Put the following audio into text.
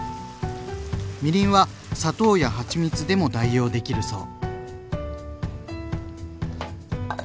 みりんは砂糖やはちみつでも代用できるそう。